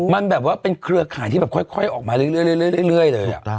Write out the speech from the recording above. มันแบบว่าเป็นเครือข่ายที่แบบค่อยออกมาเรื่อยเลย